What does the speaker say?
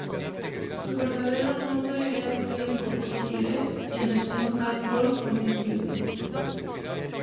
Su verdadero nombre era William Hooker Gillette, y nació en Hartford, Connecticut.